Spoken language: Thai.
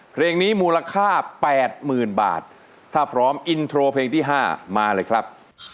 เพลงนี้มูลค่า๘๐๐๐บาทถ้าพร้อมอินโทรเพลงที่๕มาเลยครับ